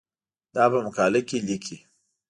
دا په مقاله کې لیکې.